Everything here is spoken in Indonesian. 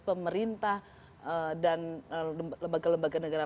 pemerintah dan lembaga lembaga negara